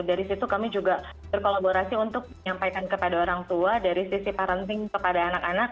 dari situ kami juga berkolaborasi untuk menyampaikan kepada orang tua dari sisi parenting kepada anak anak